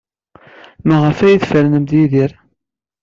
Maɣef ay tfernemt Yidir?